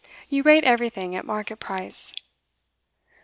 You rate everything at market price.